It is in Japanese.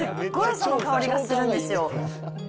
その香りがするんですよ。